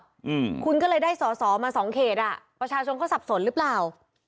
อืมคุณก็เลยได้สอสอมาสองเขตอ่ะประชาชนเขาสับสนหรือเปล่า